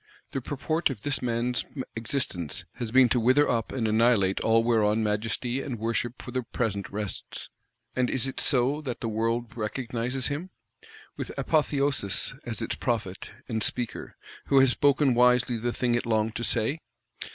The purport of this man's existence has been to wither up and annihilate all whereon Majesty and Worship for the present rests: and is it so that the world recognises him? With Apotheosis; as its Prophet and Speaker, who has spoken wisely the thing it longed to say?